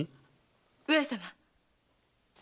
・上様。